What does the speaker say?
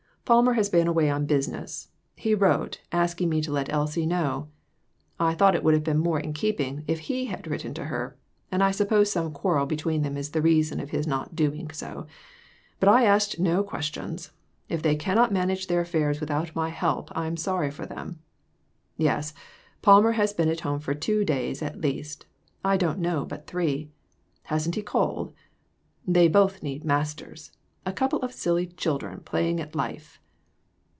Palmer has been away on busi 360 COMPLICATIONS. ness ; he wrote, asking me to let Elsie know ; I thought it would have been more in keeping if he had written her, and I suppose some quarrel between them is the reason of his not doing so ; but I asked no questions if they cannot manage their affairs without my help I'm sorry for them. Yes, Palmer has been at home for two days at least I don't know but three ; hasn't he called ? They both need masters ; a couple of silly chil dren playing at life."